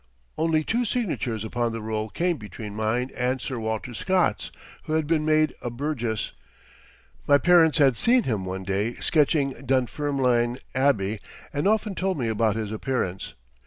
Only two signatures upon the roll came between mine and Sir Walter Scott's, who had been made a Burgess. My parents had seen him one day sketching Dunfermline Abbey and often told me about his appearance.